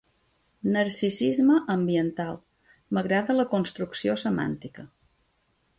“Narcisisme ambiental”, m’agrada la construcció semàntica.